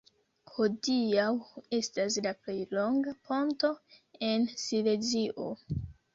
Hodiaŭ estas la plej longa ponto en Silezio.